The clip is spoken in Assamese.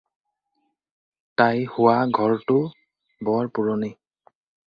তাই শোৱা ঘৰটো বৰ পুৰণি।